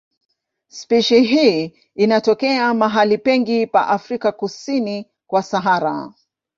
Spishi hii inatokea mahali pengi pa Afrika kusini kwa Sahara.